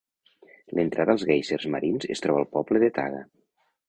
L'entrada als guèisers marins es troba al poble de Taga.